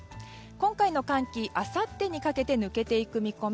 今回の寒気はあさってにかけて抜けていく見込み。